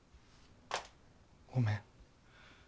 ごめん。